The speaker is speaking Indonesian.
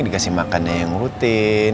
dikasih makannya yang rutin